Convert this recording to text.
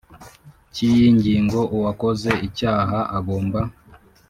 Cy iyi ngingo uwakoze icyaha agomba